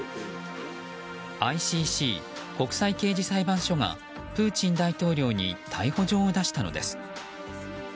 ＩＣＣ・国際刑事裁判所がプーチン大統領に逮捕状を出したのです。